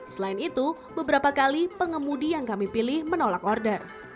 selain itu beberapa kali pengemudi yang kami pilih menolak order